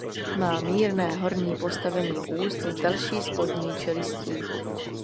Má mírné horní postavení úst s delší spodní čelistí.